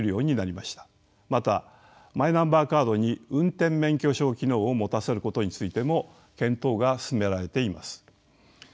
またマイナンバーカードに運転免許証機能をもたせることについても検討が進められています。